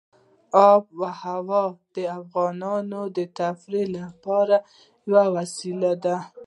آب وهوا د افغانانو د تفریح لپاره یوه وسیله ده.